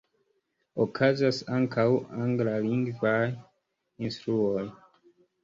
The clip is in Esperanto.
Okazas ankaŭ anglalingvaj instruoj.